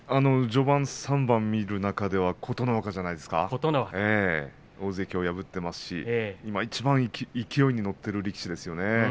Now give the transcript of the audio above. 序盤３番見る中で琴ノ若じゃないですか大関を破っていますし今いちばん勢いに乗っている力士ですよね。